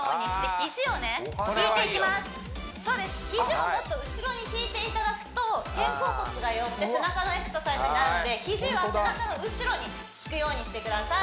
肘をもっと後ろに引いていただくと肩甲骨が寄って背中のエクササイズになるので肘は背中の後ろに引くようにしてください